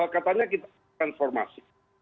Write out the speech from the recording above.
katanya kita berubah